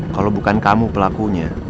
kalau bukan kamu pelakunya